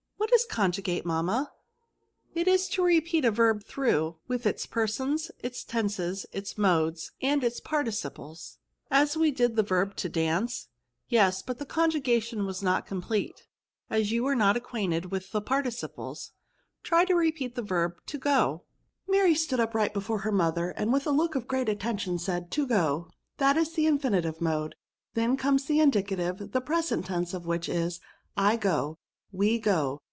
" What is conjugate, mamma ?"" It is to repeat a verb through, with its persons, its tenses, its modes, and its parti ciples." *' As we did the verb to dance ?"" Yes ; but the conjugation was not com plete, as you were then not acquainted with the plirticiples. Try to repeat the verb to so." Mary stood upright before her mother, and, with a look of great attention, said, To go. That is the infinitive mode. Then comes the indicative, the present tense of which is, " I go. We go.